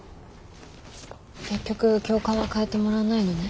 結局教官は替えてもらわないのね？